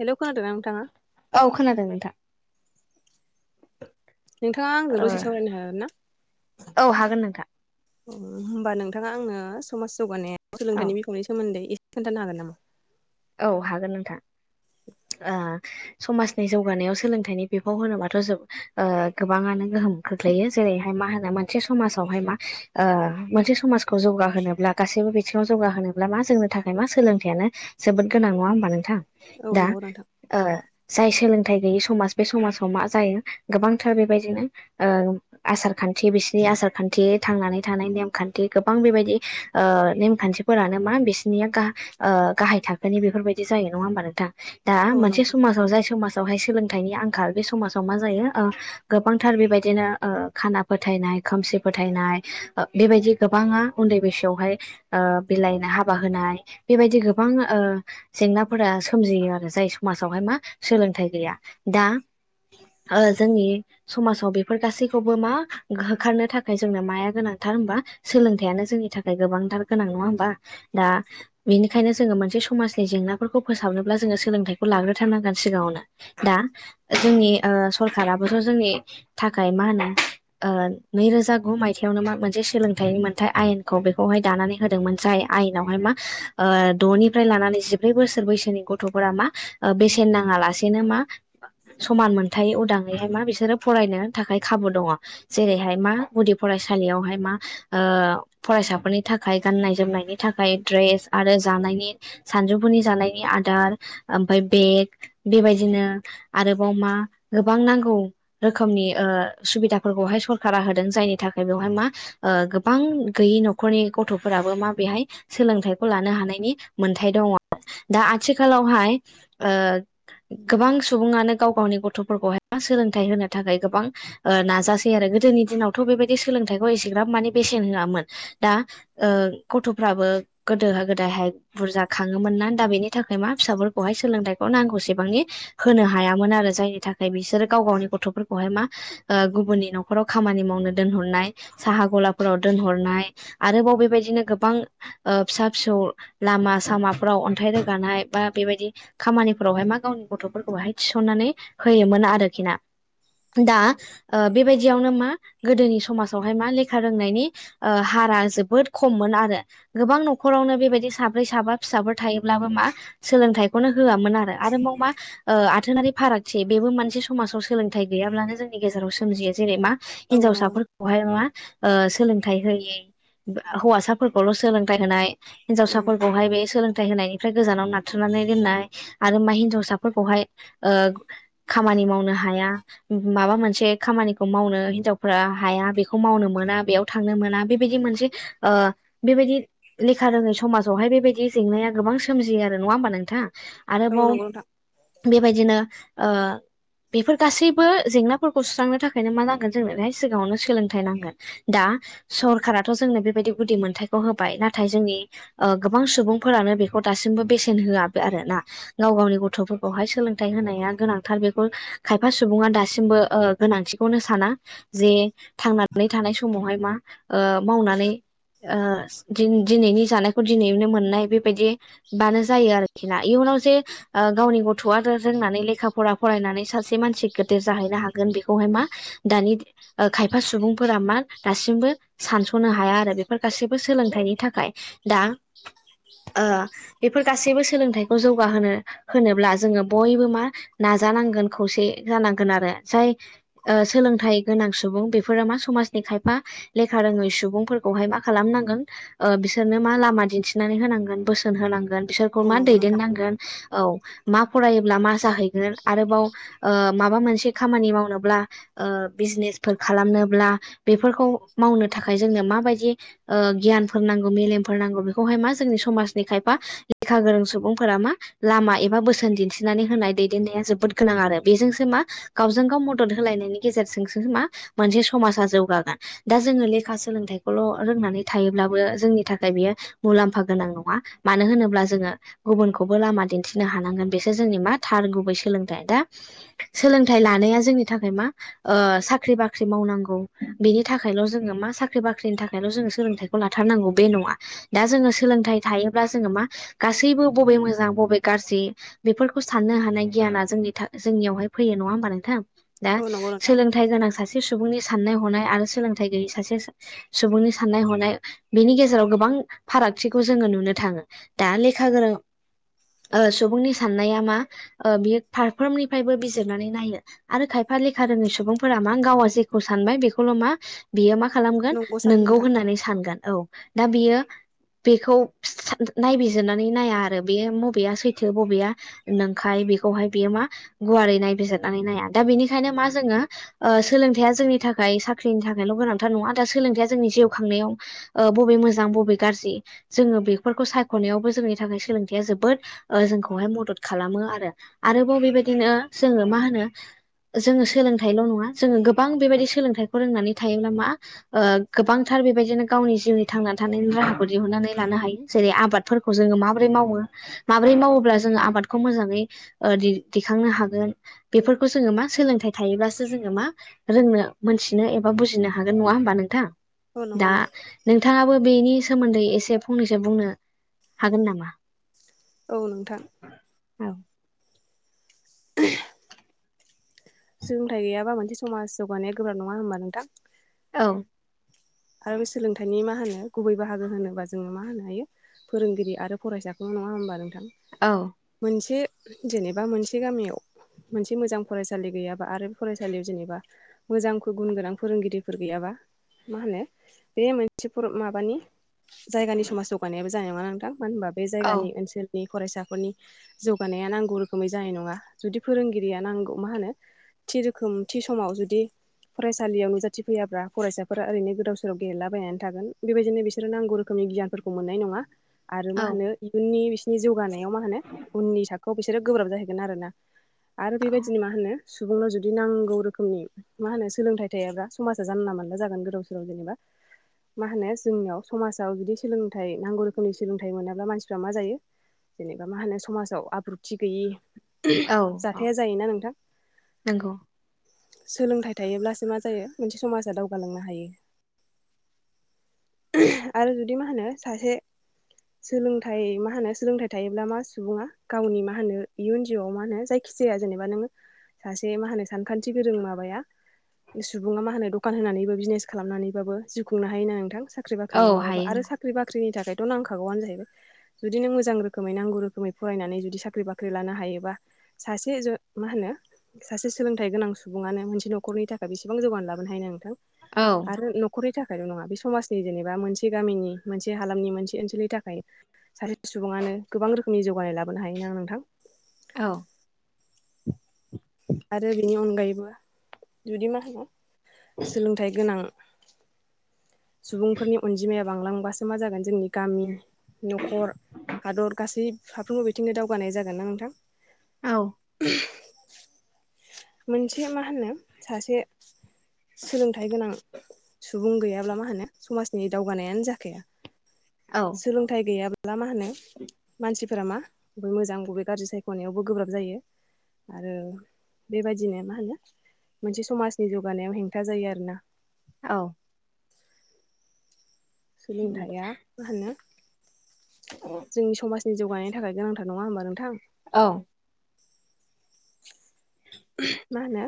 Hello खोनादोंना नोंथाङा औ खोनादों नोंथां। नोंथाङा आंजों दसे सावरायनो हागोन ना? औ हागोन नोंथां होमबा नोंथाङा आंओ समाज जौगानायाव औ सोलोंथाइनि बिफ'नि सोमोन्दै ए खोनथानो हागोन नामा? औ हागोन नोंथा। ओ समाजनि जौगानायाव सोलोंथाइनि बिफाव होनोबाथ' जों गोबाङानो गोहोम खोख्लैयो जेरैहाय मा होनो मोनसे समाजावहाय मा ओ मोनसे समाजखौ जौगाहोनोब्ला गासैबो बिथिङाव जौगाहोनोब्ला मा जोंनो थाखाय मा सोलोंथायाइयानो जोबोद गोनां नङा होमबा नोंथां? औ दा नंगौ नोंथां ओ जाय सोलोंथाइ गैयि समाज बे समाजाव मा जायो गोबांथार बेबायदिनो ओ आसार खान्थि बिसिनि आसार खान्थि थांनानै थानाय नेम खान्थि गोबां बेबायदि ओ नेम खान्थिफोरा मा बिसोरनिया गाह ओ गाहाय थाखोनि बेफोरबायदि जायो नङा होमबा नोंथां दा औ नंगौ मोनसे नोंथां समाजाव जाय समाज ावहाय सोलोंथाइनि आंखाल बे समाजाव मा जायो ओ गोबांथार बेबायदिनो ओ खाना फोथायनाय खोमसि फोथायनाय बेबायदि गोबाङा उन्दै बैसोआवहाय ओ बिलाइनो हाबा हो नाय बेबायदि होब गोबां ओ जेंनाफोरा सोमजियो आरो जाय समाजावहाय मा सोलोंथाइ गैया दा ओ जोंनि समाजाव बेफोर गासैखौबो मा होखारनो थाखाय जोंनो माया गोनां थार होमबा सोलोंथायानो जोंनि थाखाय गोबांथार गोनां नंआ होमबा दा बेनि खायनो जोङो मोनसे समाजनि जेंनाफोरखौ फोसाबनोब्ला जोङो सोलोंथाइखौ लाग्रोथारनांगोन सिगाङावनो दा जोंनि ओ सरखाराबोथ' जोंनि थाखाय मा होनो ओ नैरोजा गु माइथाइयावनो मा मोनसे सोलोंथाइनि मोनथाइ आयेनखौ बेखौहाय दानानै होदोंमोन जाय आयेनावहाय मा ओ द'निफ्राय लानानै जिब्रै बोसोर बैसोनि गथ'फोरा मा बेसेन नाङा लासेनो मा समान मोनथाय उदाङैहाय मा बिसोरो फरायनो थाखाय खाबु दङ जेरैहाय मा गुदि फराय सालियावहाय मा ओ फरायसाफोरनि थाखाय गाननाय जोमनायनि थाखाय द्रेस आरो जानायनि सानजौफुनि जानायनि आदार ओमफाय बेग बेबायदिनो आरोबाव मा गोबां नांगौ रोखोमनि ओ सुबिदाफोरखौहाय सरखारारा होदों जायनि थाखाय बेवहाय मा ओ गोबां गैयै न'खरनि गथ'फोराबो मा बेहाय सोलोंथाइ खौ लानो हानायनि मोनथाय दङ दा आथिखालावहाय ओ गोबां सुबुङानो गाव गावनि गथ'फोरखौहाय सोलोंथाइ होनो थाखाय गोबां ओ नाजासै आरो गोदोनि दिनावथ' बेबायदि सोलोंथाइखौ एसेग्राब माने बेसेन होआमोन दा ओ गथ'फ्राबो गोदो गोदायहाय बुरजा खाङोमोन ना दा बेनि थाखाय मा फिसाफोरखौहाय सोलोंथाइखौ नांगौसेबांनि होनो हायामोन आरो जायनि थाखाय बिसोरो गाव गावनि गथ'फोरखौहाय मा ओ गुबुननि न'खराव खामानि माव मावनो दोनहरनाय साहा गलाफोराव दोनहरनाय आरोबाव बेबायदिनो गोबां ओ फिसा फिसौ लामा सामाफ्राव अन्थाइ रोगानाय बा बेबायदि खामानिफोरावहाय मा गाव गथ'फोरखौ थिसननानै होयोमोन आरोखि ना। दा ओ बेबायदियावनो मा गोदोनि समाजावहाय मा लेखा रोंनायनि ओ हा रा जोबोद खममोन आरो। गोबां न'खरावनो बेबायदि साब्रै साबा फिसाफोर थायोब्लाबो मा सोलोंथाइखौनो होआमोन आरो आरोबाव मा आथोनारि फारागथि बेबो मोनसे समाजाव सोलोंथाइ गैयाब्लानो जोंनि गेजेराव सोमजियो जेरै मा औ नंगौ नोंथां हिनजावसाफोरखौहाय मा ओ सोलोंथाइ होयै हौवासाफोरखौल' सोलों थाय होनाय हिनजावसाफोरखौहाय बे सोलों होनायनिफ्राय गोजानाव नाथ्रोदनानै दोननाय आरो मा हिनजावसाफोरखौहाय ओ खामानि मावनो हाया माबा मोनसे खामानिखौ मावनो हिनजावफ्रा हाया बेखौ मावनो मोना बे याव थांनो मोना बेबायदि मोनसे ओ बेबायदि लेखा रोङै समाजावहाय बेबायदि जेंनाया गोबां सोमजियो आरो नङा होमबा नोंथां? औ आरोबाव नंगौ नोंथां बेबायदिनो ओ बेफोर गासैबो जेंनाफोरखौ सुस्रांनो थाखायनो मा नांगोन जोंनोहाय सिगाङावनो सोलोंथाइ नांगोन दा सरखाराथ' जोंनो बेबायदि गुदि मोनथायखौ होबाय ना थाय जोंनि गोबां सुबुंफोरानो बेखौ दासिमबो बेसेन होआबो आरो ना गाव गावनि गथ'फोर फोरखौहाय सोलोंथाइ होनाया गोनांथार बेखौ खायफा सुबुङा दासिमबो ओ गोनांथिखौनो साना जे थांनानै थानाय समावहाय मा ओ मावनानै ओ दि-दिनैनि जानायखौ दिनैनो मोननाय बेबायदि बानो जायो आरोखि ना इयुनाव जे ओ गावनि गथ'आ रो-रोंनानै लेखा फरा फरायनानै सासे मानसि गेदेर जाहैनो हागोन बेखौहाय मा दानि खायफा सुबुंफोरा मा दासिमबो सानस'नो हाया आरो बेफोर गासैबो सोलोंथाइनि थाखाय दा ओ बेफोर गासैबो सोलोंथाइखौ जौगाहोनो होनोब्ला जोङो बयबो मा ना जानांगोन खौसे जानांगोन आरो जाय ओ सोलोंथाइ गोनां सुबुं बेफोरो मा समाज खायफा लेखा रोङै सुबुंफोरखौहाय मा खालामनांगोन ओ बिसोरनो मा लामा दिन्थिनानै होनांगोन बोसोन होनांगोन बिसोरखौ औ मा नंगौ नोंथां दैदेननांगोन। औ मा फरायोब्ला मा जाहैगोन आरोबाव ओ माबा मोनसे खामानि मावनोब्ला ओ बिजनेसफोर खालामनोब्ला बेफोरखौ मावनो थाखाय जोंनो माबायदि ओ गियानफोर नांगौ मेलेमफोर नांगौ बेखौहाय मा जोंनि समाजनि खायफा लेखा गोरों सुबुंफोरा मा ला मा एबा बोसोन दिन्थिनानै होनाय दैदेननाया जोबोद गोनां आरो बेजोंसो मा गावजों गाव मदद होलायनायनि गेजेरजोंसो मा मोनसे समाजा जौगागोन दा जोङो लेखा सोलोंथाइखौल' रोंनानै थायोब्लाबो जोंनि थाखाय बियो मुलाम्फा गोनां नङा। मानो होनोब्ला जोङो गुबुनखौबो लामा दिन्थिनो हानांगोन। बेसोर जोंनि मा थार गुबै सोलोंथाइ दा सोलोंथाइ लानाया जोंनि थाखाय मा ओ साख्रि - बाख्रि मावनांगौ बेनि थाखायल' जोङो मा साख्रि- बाख्रिनि थाखायल' जों सोलोंथाइखौ लाथारनांगौ बे नङा। दा जोङो सोलोंथाइ थायोब्ला जोङो मा गासैबो बबे मोजां बबे गाज्रि बेफोरखौ साननो हानाय गियाना जोंनि था जोंनियावहाय फैयो नङा होमबा नोंथां? दा औ नंगौ नोंथां सोलोंथाइ गोनां सासे सु बुंनि साननाय- हनाय आरो सोलोंथाइ गैयै सासे सुबुंनि सा साननाय हनाय बेनि गेजेराव गोबां फारागथिखौ जोङो नुनो थाङो। दा लेखा गोरों ओ सुबुंनि साननाया मा बियो फारफ्रोमनिफ्रायबो बिजिरनानै नायो आरो खायफा फा लेखा रोङै सुबुंफोरा मा गावा जेखौ सानबाय बेखौल' मा बियो मा खालामगोन नंगौ सानो नोंगौ नोंथां बे सानगोन औ। दा बियो बेखौ नायबिजिरनानै नाया आरो बे बबेया सैथो बबेया नोंखाय बेखौहाय बियो मा गुवारै नायबिजिरनानै नाया। दा बेनिखायनो मा जोङो ओ सोलोंथाइया जोंनि था थाखाय साख्रिनि थाखायल' गोनांथार नङा दा सोलोंथाइया जोंनि जिउ नायाव ओ बबे मोजां बबे गाज्रि जोङो बेफोरखौ सायख'नायावबो जोंनि थाखाय सोलोंथाइया जो जोबोद ओ जोंखौहाय मदद खालामो आरो आरोबाव बेबायदिनो जोङो मा होनो जोङो सोलोंथाइल' नङा जोङो गोबां बेबायदि सोलोंथाइखौ रोंनानै थायोब्ला मा ओ गोबां थार बेबायदिनो गावनि जिउनि थांनानै थानायनि राहाखौ दिहुननानै लानो हायो। जेरै- आबादफोरखौ जोङो माबोरै मावो माबोरै मावोब्ला जोङो आबादखौ मोजाङै ओ दि दिखांनो हागोन बेफोरखौ जोङो मा सोलोंथाइ थायोब्लासो जोङो मा रोंनो मोनथिनो एबा बुजिनो हागोन नङा होमबा नोंथां? औ नंगौ दा नोंथां नोंथाङाबो बेनि सोमोन्दै एसे फंनैसो बुंनो हागोन नामा औ नोंथां औ [inaudible] सोलोंथाइ गैयाबा मोनसे समाज जौगानाया गोब्राब नङा होमबा नोंथां? औ आरो बे सोलोंथाइनि मा होनो गुबै बाहागो होनोबा जोङो मा होनो हायो फोरोंगिरि आरो फरायसाखौल' नङा होनबा नोंथां औ मोनसे जेनेबा मोनसे गामियाव मोनसे मोजां फरायसालि गैयाबा आरो बे फरायसालियाव जेनेबा मोजां गुन गोनां फोरोंगिरिफोर गैयाबा मा होनो बे मोनसे फर माबानि जायगानि समाज जौगानायाबो जानाय नङा नोंथां मानो होनबा बे औ जायगानि ओनसोलनि फरायसाफोरनि जौगानाया नांगौ रोखोमै जानाय नङा जुदि फोरोंगिरिया नांगौ मा होनो थि रोखोम थि समाव जुदि फरायसालियाव नुजाथि फैयाब्ला फरायसाफोरा ओरैनो गोदाव सो सोराव गेलेलाबायनानै थागोन बेबायदिनो बिसोर नांगौ रोखोमनि गियानफोरखौ मोननाय नङा आरो मा औ होनो इयुननि बिस नि जौगानायाव मा होनो उननि थाखोआव बिसोरो गोब्राब जाहैगोन आरोना आरो बेबायदिनो मा होनो सुबुंनाव जुदि नांगौ रोखोमनि मा होनो सोलोंथाइ थायाब्ला समाजा जानला- मानला जागोन गोदाव सोराव जेनेबा [inaudible] मा होनो जोंनियाव समाजाव जुदि सोलोंथाइ नांगौ रोखोमनि सोलोंथाइ मोनाब्ला मानसिफ्रा मा जायो जेनेबा मा होनो समाजाव आब्रुथि गैयि औ जाथाया जायोना नोंथां नंगौ सोलोंथाइ थायोब्लासो मा जायो मोनसे समाजा दावगालांनो हायो आरो जुदि मा होनो सासे सोलोंथाइ मा होनो सोलोंथाइ थायोब्ला मा सुबुङा गावनि मा होनो इयुन जिउआव मा होनो जायखि जाया जेनेबा नोङो सासे मा होनो सानखान्थि गोरों माबाया सुबुङा मा होनो दखान होनानैबो बिजनेस खालामनानै बाबो जिउ खुंनो हायो ना नोंथां साख्रि -बाख्रि औ नङाबाबो हायो आरो नंगौ साख्रि बाख्रिनि थाखायथ' नांखागौआनो जाहैबाय जुदि नों मोजां रोखोमै नांगौ रोखोमै फरायनानै जुदि साख्रि बाख्रि लानो हायोबा सासे ज मा होनो सासे सोलोंथाइ गोनां सुबुङानो मोनसे न'खरनि थाखाय बेसेबां जौगान लाबोनो हायो ना नोंथां। औ आरो न' खरनि थाखायल' नङा बे समाजनि जेनेबा मोनसे गामिनि मोनसे हालामनि मोनसे ओनसोलनि थाखाय सासे सुबुङानो गोबां रोखोमनि जौगानाय लाबोनो हायोना नोंथां औ आरो बेनि अनगायैबो जुदि मा होनो सोलोंथाइ गोनां सुबुंफोरनि अनजिमाया बांलांबासो मा जागोन जोंनि गामि न'खर हादर गासै साफ्रोमबो बिथिंनो दावगानाय जागोनना नोंथां [inaudible] औ मोनसे मा होनो सासे सोलोंथाइ गोनां सुबुं गैयाब्ला मा होनो समाजनि दावगानायानो जाखाया औ सोलोंथाइ गैया ब्ला मा होनो मानसिफोरा मा बबे मोजां बबे गाज्रि सायख'नायावबो गोब्राब जायो। आरो बेबायदिनो मा होनो मोनसे समाजनि जौगानायाव हेंथा जायो आरोना औ सोलोंथाया मा होनो जोंनि समाजनि जौगानायनि थाखाय गोनांथार नङा होमबा नोंथां औ मा होनो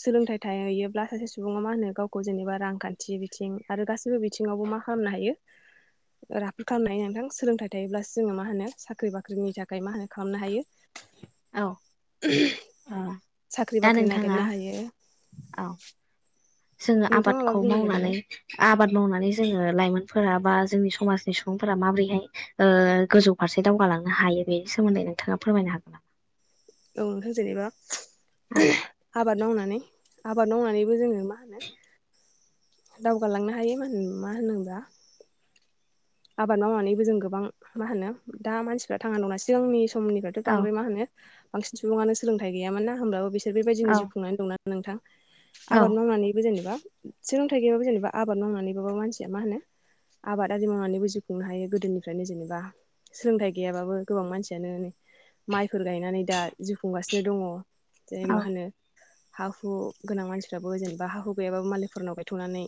सोलोंथाइ थैयोब्ला सासे सुबुङा मा होनो गावखौ जेनेबा रांखान्थि बिथिं आरो गासिबो बिथिङावबो मा खालामनो हायो राफोद खालामनो हायो नोंथां सोलोंथाइ थायोब्लासो जोङो मा होनो साख्रि बाख्रिनि थाखाय मा होनो खालामनो हायो औ साख्रि दा बाख्रि नोंथाङा नागिरनो हायो औ जोङो नोंथाङा माबा आबादखौ बुंनो मावनानै नागिरदोंमोन आबाद मावनानै जोङो लाइमोनफोरा बा जोंनि समाजनि सुबुंफोरा माबोरैहाय ओ गोजौ फारसे दावगा लांनो हायो बेनि सोमोन्दै नोंथाङा फोरमायनो हागोन नामा? औ नोंथां जेनेबा औ आबाद मावनानै आबाद मावनानैबो जोङो मा होनो दावगालांनो हायो मा होन मा होनदों दा आबाद मावनानैबो जों गोबां मा होनो दा मानसिफ्रा थांना दंना सिगांनि समनिफ्रायथ' औ बांद्राय मा होनो बांसिन सुबुङानो सोलोंथाइ गैयामोन ना होनब्लाबो बिसोर बेबायदिनि औ जिउ खुंनानै दं ना नोंथां औ आबाद मावनानैबो जेनेबा सोलोंथाइ गैयाबो जेनेबा आबाद मावनानैबाबो मानसिया मा होनो आबाद आरि मावनानैबो जिउ खुंनो हायो गोदोनिफ्रायनो जेनेबा सोलोंथाइ गैयाबाबो गोबां मानसियानो माइफोर गायनानै दा जिउ खुंगासिनो दङ जाय मा होनो हा हु गोनां मानसिफ्राबो जेनेबा हा हु गैयाबाबो मालायफोरनाव गायथ'नानै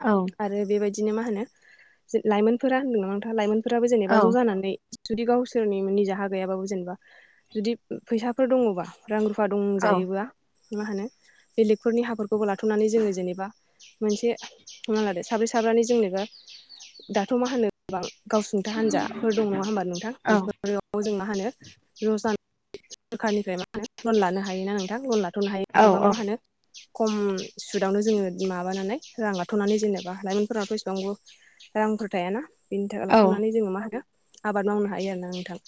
औ आरो बेबायदिनो मा होनो जे लाइमोनफोरा होनदों नोंथा नङा लाइमोन फोराबो औ जेनेबा ज' जानानै जुदि गावसोरनि निजाहा गैयाबाबो जेनेबा जुदि फैसाफोर दङबा रां रुफा दंजायोबा मा होनो बेलेगफोरनि हाफोरखौबो लाथ'नानै जोङो जेनेबा मोनसे हमना लादो साब्रै साब्रानि जेनेबा दाथ' मा होनो गोबां गावसुंथा हान्जाफोर दं नङा होमबा नोंथां औ बेफोराव जोंना मा होनो र' जानाय सोरखारनिफ्राय मा होनो लन लानो हायोना नोंथां लन लानो हायो गोबां औ मा होनो खम सुदावनो जोङो माबानानै रां लाथ'नानै जेनेबा लाइमोनफोराथ' इसेबांबो रांफोर थायाना बिनि थाखाय औ लाथ'नानै जोङो मा होनो आबाद मावनो हायो आरोना नोंथां।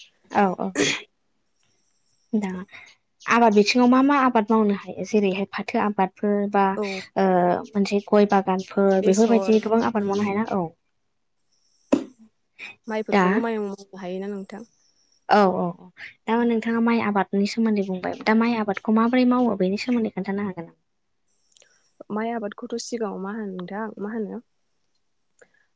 औ औ दा आबाद बिथिङाव मा मा आबाद मावनो हायो जेरैहाय फाथो आबाद। फोर बा औ मोनसे गय बागानफोर बेफोरबायदि बेसर गोबां आबाद उम मावनो हायना औ। दा माइफोरखौबो माइ मावनो हायोना नोंथां। औ औ औ दा नोंथाङा माइ आबादनि सोमोन्दै बुंबाय दा माइ आबाद। खौ माबोरै मावो बेनि सोमोन्दै खोन्थानो हागोन नामा। माइ आबादखौथ' सिगाङाव मा होनो नोंथां मा होनो?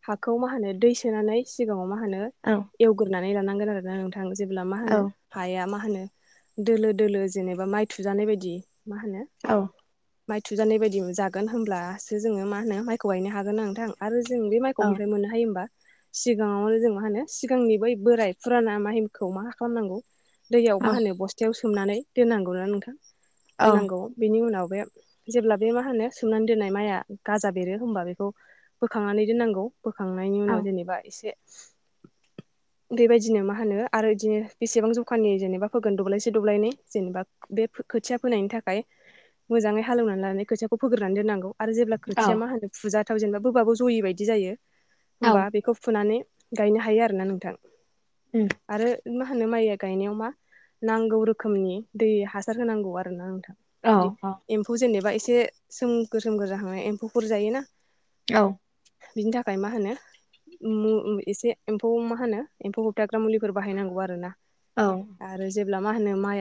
हाखौ मा होनो दै सोनानै सिगाङाव मा होनो? मा औ होनो एवगोरानै लानांगोन आरोना नोंथां जेब्ला मा औ होनो हाया मा होनो? दोलो दोलो जेनेबा माइ थुजानाय बायदि मा होनो? औ माइ थुजानाय बायदि जागोन होनब्लासो जोङो मा होनो माइखौ गायनो हागोन नोंथां आरो। जों बे माइखौ औ बबेनिफ्राय मोननो हायो होमबा। सिगाङावनो जों मा होनो सिगांनि बै बोराय फुराना माइखौ मा खालामनांगौ? दैयाव औ मा होनो बस्थायाव सोमनानै दोननांगौना नोंथां दोननांगौ बिनि उनाव बे। जेब्ला बे मा होनो सोमनानै दोननाय माइआ गाजा बेरो होनोमबा बेखौ बोखांनानै दोननांगौ। बोखांनायनि औ उनाव जेनेबा एसे। बेबायदिनो मा होनो आरो बिदिनो बेसेबां जखानि जेनेबा फोगोन दब्लायसे दब्लायनै जेनेबा बे। खोथिया फोनायनि थाखाय मोजाङै। हालेवनानै लानानै खोथियाखौ फोग्रोनानै दोननांगौ आरो जेब्ला औ खोथिया मा होनो फुजाथाव जेनबा बोबाबो जयि बायदि जायो। होमबा बेखौ फुनानै गायनो हायो आरोना नोंथां आरो। मा होनो माइया गायनायाव मा नांगौ रोखोमनि दै हासार होनांगौ आरोना। नोंथां बेदि। औ जेनेबा एसे सोमखोर सोमखोर जाहांनाय एम्फौफोर जायोना। औ। बिनि थाखाय मा होनो? एसे एम्फौ मा होनो एम्फौ होबथाग्रा मुलिफोर बाहायनांगौ आरोना। औ। अब्ला मा होनो माइया।